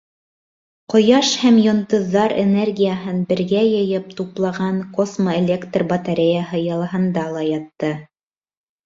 Ҡояш һәм йондоҙҙар энергияһын бергә йыйып туплаған космо-электор батареяһы йылыһында ла ятты.